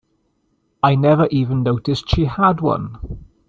I never even noticed she had one.